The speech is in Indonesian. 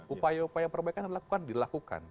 upaya upaya perbaikan yang dilakukan dilakukan